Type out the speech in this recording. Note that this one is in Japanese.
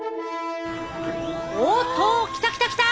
おっと！来た来た来た！